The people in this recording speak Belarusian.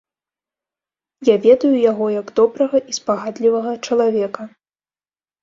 Я ведаю яго як добрага і спагадлівага чалавека.